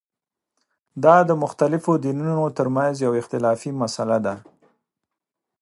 دا د مختلفو دینونو ترمنځه یوه اختلافي مسله ده.